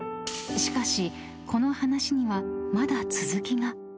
［この話にはまだ続きが］